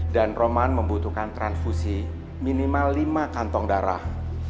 dan roman membutuhkan transfusi minimal lima kantong darah